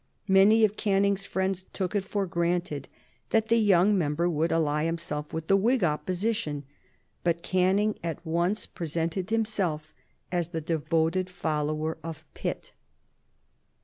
Many of Canning's friends took it for granted that the young member would ally himself with the Whig Opposition, but Canning at once presented himself as the devoted follower of Pitt.